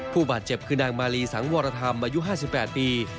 ผู้บาดเจ็บคือนางมาลีสังวรธรรมอายุ๕๘ปี